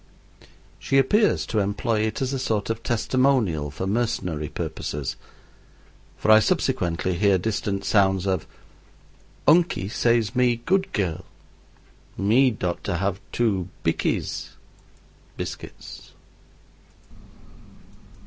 She appears to employ it as a sort of testimonial for mercenary purposes, for I subsequently hear distant sounds of "Unkie says me dood dirl me dot to have two bikkies [biscuits]."